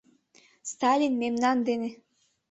Сталин — мемнан дене!